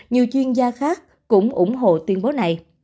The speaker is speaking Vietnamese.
nhiều chuyên gia khác cũng ủng hộ tuyên bố này